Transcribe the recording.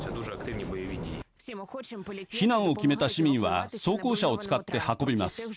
避難を決めた市民は装甲車を使って運びます。